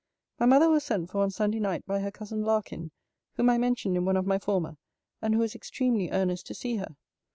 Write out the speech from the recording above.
My mother was sent for on Sunday night by her cousin Larkin, whom I mentioned in one of my former, and who was extremely earnest to see her.